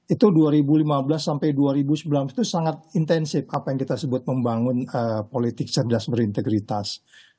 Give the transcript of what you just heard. itu dua ribu lima belas sampai dua ribu sembilan belas itu sangat intensif apa yang kita sebut membangun politik cerdas berintegritas